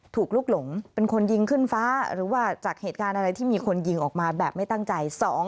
ถูกลุกหลงเป็นคนยิงขึ้นฟ้าหรือว่าจากเหตุการณ์อะไรที่มีคนยิงออกมาแบบไม่ตั้งใจ